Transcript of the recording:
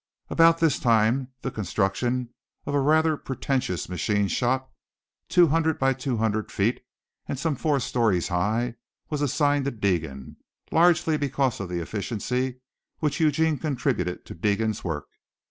About this time the construction of a rather pretentious machine shop, two hundred by two hundred feet and four storeys high was assigned to Deegan, largely because of the efficiency which Eugene contributed to Deegan's work.